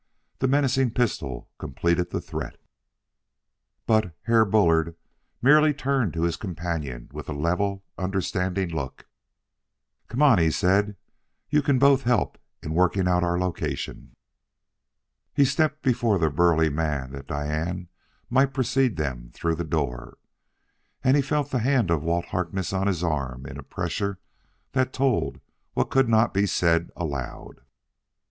The menacing pistol completed the threat. But "Herr Bullard" merely turned to his companion with a level, understanding look. "Come on," he said; "you can both help in working out our location." He stepped before the burly man that Diane might precede them through the door. And he felt the hand of Walt Harkness on his arm in a pressure that told what could not be said aloud.